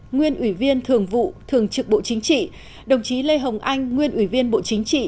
nguyên ủy viên thường vụ thường trực bộ chính trị đồng chí lê hồng anh nguyên ủy viên bộ chính trị